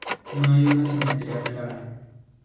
No hay una simetría clara.